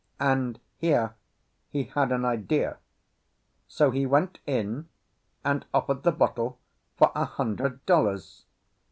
And here he had an idea. So he went in and offered the bottle for a hundred dollars.